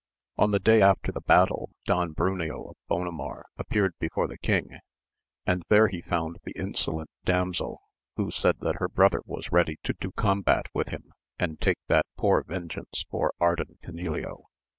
|N the day after the battle Don Bruneo of Bonamar appeared before the king, and there he found the Insolent Damsel, who said that her brother was ready to do combat with him, and take that poor vengeance forArdan Canileo.